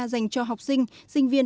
dành cho học sinh sinh viên